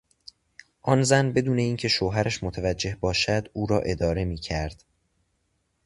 آن زن بدون این که شوهرش متوجه باشد او را اداره میکرد.